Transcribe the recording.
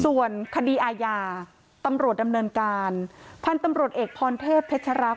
ส่วนคดีอาญาตำรวจดำเนินการพันธุ์ตำรวจเอกพรเทพเพชรรักษ